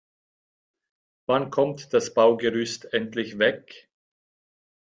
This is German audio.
Wann kommt das Baugerüst endlich weg?